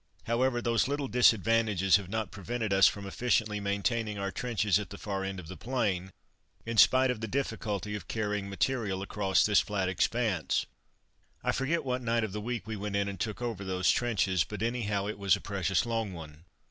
However, those little disadvantages have not prevented us from efficiently maintaining our trenches at the far end of the plain, in spite of the difficulty of carrying material across this flat expanse. I forget what night of the week we went in and took over those trenches, but, anyhow, it was a precious long one.